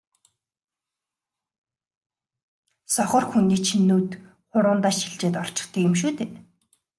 сохор хүний чинь нүд хуруундаа шилжээд орчихдог юм шүү дээ.